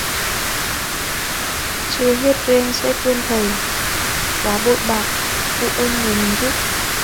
Chưa hết rên đã quên thầy: quá bội bạc, phụ ơn người giúp mình